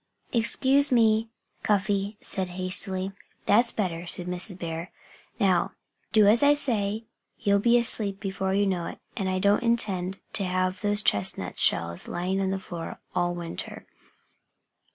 "Excuse me!" Cuffy said hastily. "That's better!" said Mrs. Bear. "Now do as I say. You'll be asleep before you know it. And I don't intend to have those chestnut shells lying on the floor all winter."